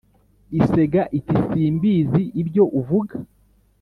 isega iti simbizi ibyo uvuga